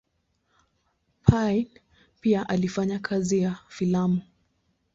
Payn pia alifanya kazi ya filamu.